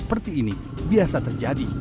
seperti ini biasa terjadi